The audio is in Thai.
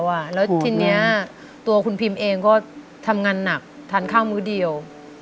แล้วทีนี้ตัวคุณพิมเองก็ทำงานหนักทานข้าวมื้อเดียว